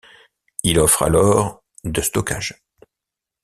Il offre alors de stockage.